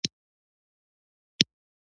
له مفتي صاحب سره باید اړیکه ونیول شي.